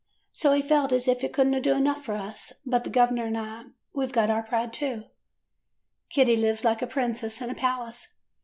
So he felt as if he could n't do enough for us, but the gov'ner and I — we 've got our pride, too. "Kitty lives like a princess in a palace.